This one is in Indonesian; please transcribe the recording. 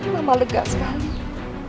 mama lega sekali